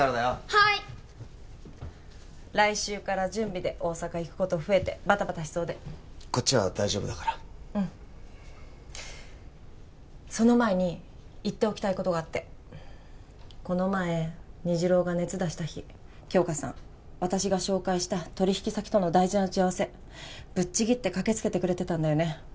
はーい来週から準備で大阪行くこと増えてバタバタしそうでこっちは大丈夫だからうんその前に言っておきたいことがあってこの前虹朗が熱出した日杏花さん私が紹介した取引先との大事な打ち合わせぶっちぎって駆けつけてくれてたんだよね